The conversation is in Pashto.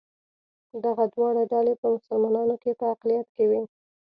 دغه دواړه ډلې په مسلمانانو کې په اقلیت کې وې.